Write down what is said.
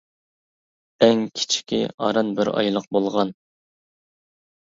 ئەڭ كىچىكى ئاران بىر ئايلىق بولغان.